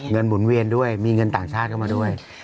หมุนเวียนด้วยมีเงินต่างชาติเข้ามาด้วย